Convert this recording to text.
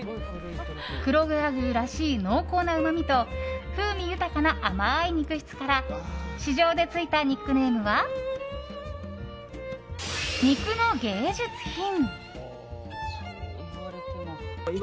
黒毛和牛らしい濃厚なうまみと風味豊かな甘い肉質から市場でついたニックネームは肉の芸術品。